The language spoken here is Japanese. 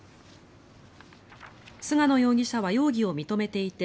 菅野容疑者は容疑を認めていて